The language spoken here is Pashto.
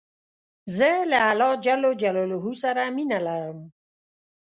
زه له الله ج سره مینه لرم.